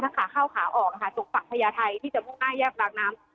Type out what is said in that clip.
ขาเข้าขาออกตรงฝั่งพญาไทยที่จะมุ่งหน้าแยกบางน้ำ